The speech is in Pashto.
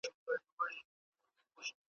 ګیدړ سمدستي پر ښکر د هغه سپور سو ,